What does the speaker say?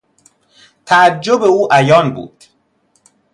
تعجب او عیان بود.